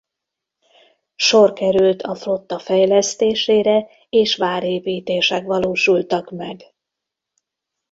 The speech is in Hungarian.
Sor került a flotta fejlesztésére és várépítések valósultak meg.